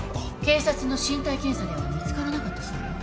警察の身体検査では見つからなかったそうよ。